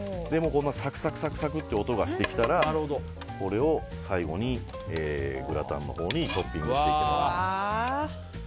サクサクという音がしてきたらこれを最後にグラタンにトッピングしていきます。